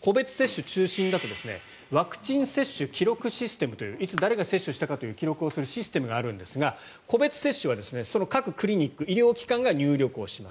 個別接種中心だとワクチン接種記録システムといういつ誰が接種したかを記録するシステムがあるんですが個別接種は各クリニック医療機関が入力をします。